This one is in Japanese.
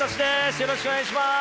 よろしくお願いします。